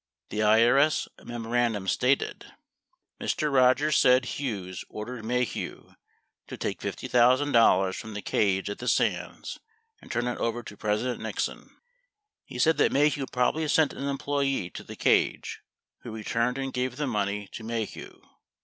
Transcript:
The IRS memorandum stated : Mr. Rogers said Hughes ordered Maheu to take $50,000 from the cage at the Sands and turn it over to President Nixon. He said that Maheu probably sent an employee to the cage who returned and gave the money to Maheu.